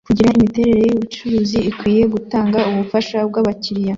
kugira imiterere yubucuruzi ikwiye, gutanga ubufaha bwabakiriya,